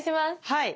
はい。